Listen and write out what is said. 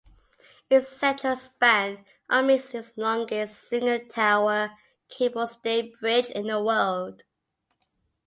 Its central span of makes it the longest single-tower cable-stayed bridge in the world.